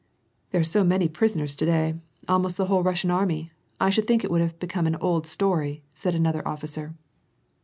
''There are so many prisoners to day; almost the whole loflsian army, I should think it would have become an old iloiy," said another officer.